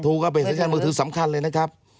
ถูกว่าเบสสัญญาณมือถือสำคัญเลยนะครับ